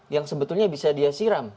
yang sebetulnya bisa dia siram